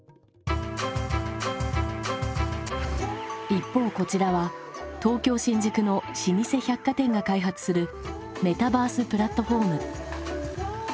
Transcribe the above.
一方こちらは東京・新宿の老舗百貨店が開発するメタバースプラットフォーム。